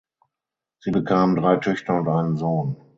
Sie bekamen drei Töchter und einen Sohn.